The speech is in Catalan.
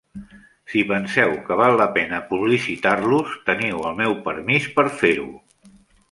Si penseu que val la pena publicitar-los, teniu el meu permís per fer-ho.